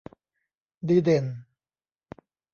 ดีเด่น